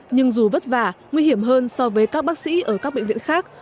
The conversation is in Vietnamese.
nhưng dù vất vả nguy hiểm hơn so với các bác sĩ ở các bệnh viện khác